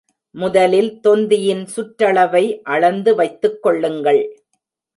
முதலில் தொந்தியின் சுற்றளவை அளந்து வைத்துக் கொள்ளுங்கள்.